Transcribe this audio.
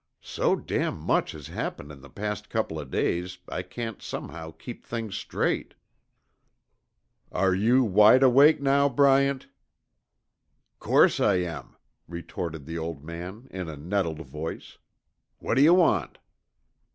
So damn much has happened in the past couple o' days I can't somehow keep things straight." "Are you wide awake now, Bryant?" "Course I am," retorted the old man in a nettled voice. "What d'you want?"